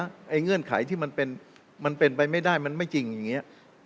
เงื่อนไขที่มันเป็นไปไม่ได้มันไม่จริงอย่างนี้